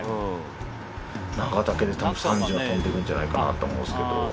たぶん３０飛んでいくんじゃないかなと思うんですけど。